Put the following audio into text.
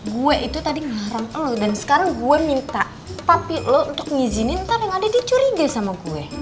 gue itu tadi ngeharang lo dan sekarang gue minta papi lo untuk ngizinin ntar yang ada dicuriga sama gue